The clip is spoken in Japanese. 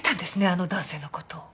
あの男性の事を。